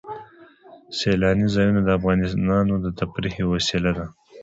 سیلاني ځایونه د افغانانو د تفریح یوه وسیله ده.